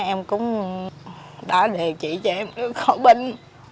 em cũng đã đề trị cho em khỏi bệnh